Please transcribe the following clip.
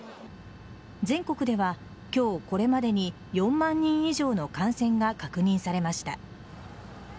全国では今日これまでに４万人以上の感染が確認されました。